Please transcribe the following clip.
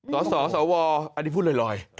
สสวอันนี้พูดลอย